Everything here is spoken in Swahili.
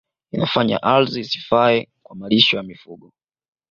Inafanya ardhi isifae kwa malisho ya mifugo